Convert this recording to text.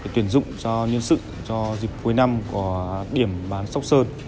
tuyển dụng cho nhân sự cho dịp cuối năm của điểm bán sóc sơn